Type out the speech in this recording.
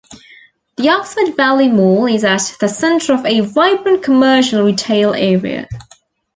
The Oxford Valley Mall is at the center of a vibrant commercial retail area.